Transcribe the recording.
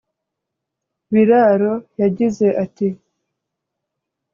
Biraro yagize ati